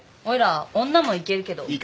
おいら女もいけるけど。